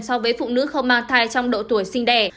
so với phụ nữ không mang thai trong độ tuổi sinh đẻ